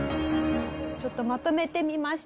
ちょっとまとめてみました。